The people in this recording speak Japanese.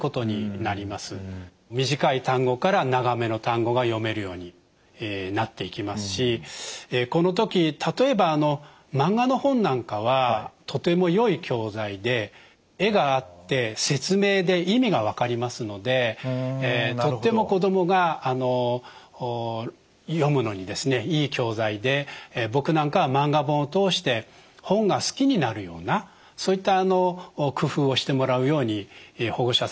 短い単語から長めの単語が読めるようになっていきますしこの時例えばマンガの本なんかはとてもよい教材で絵があって説明で意味が分かりますのでとっても子どもが読むのにいい教材で僕なんかはマンガ本を通して本が好きになるようなそういった工夫をしてもらうように保護者さんにはお話をしています。